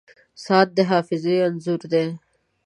• ساعت د حافظې انځور دی.